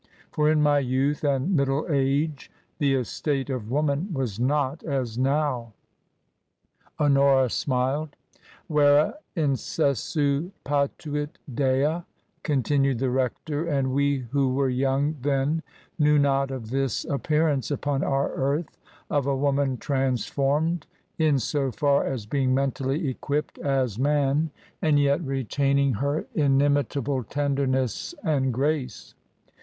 For in my youth and middle age the estate of woman was not as now." Honora smiled. " Vera incessu patuit Dea^^ continued the rector, " and we who were young then knew not of this appearance upon our earth of a woman transformed, in so far as being mentally equipped as man and yet retaining her TRANSITION. 21 inimitable tenderness and grace.